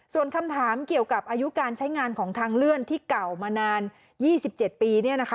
ส่วนคำถามเกี่ยวกับอายุการใช้งานของทางเลื่อนที่เก่ามานาน๒๗ปี